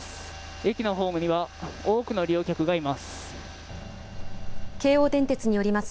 駅のホームには多くの利用客がいます。